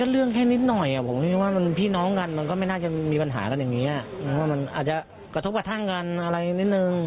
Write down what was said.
ลุบกับท่างกันอะไรนิดนึง